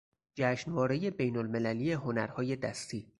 جشنوارهی بینالمللی هنرهای دستی